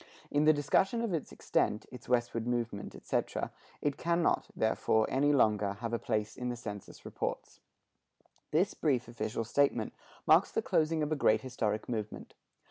In the discussion of its extent, its westward movement, etc., it can not, therefore, any longer have a place in the census reports." This brief official statement marks the closing of a great historic movement.